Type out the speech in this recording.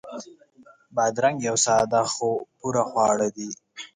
بادرنګ یو ساده خو پوره خواړه دي.